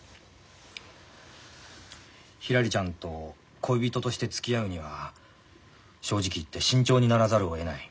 ひらりちゃんと恋人としてつきあうには正直言って慎重にならざるをえない。